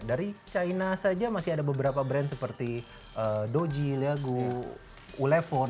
dari china saja masih ada beberapa brand seperti doji leagu ulephone